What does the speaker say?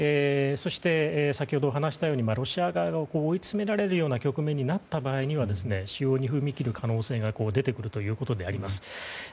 そして、先ほど話したようにロシア側が追いつめられるような局面になった場合には使用に踏み切る可能性が出てくるということであります。